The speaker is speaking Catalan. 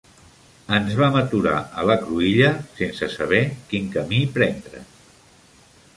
Ens vam aturar a la cruïlla, sense saber quin camí prendre